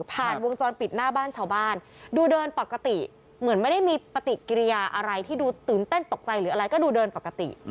วงจรปิดหน้าบ้านชาวบ้านดูเดินปกติเหมือนไม่ได้มีปฏิกิริยาอะไรที่ดูตื่นเต้นตกใจหรืออะไรก็ดูเดินปกติ